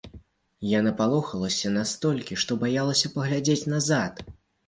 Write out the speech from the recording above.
Я напалохалася настолькі, што баялася паглядзець назад.